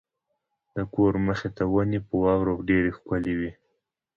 د کور مخې ته ونې په واورو ډېرې ښکلې وې.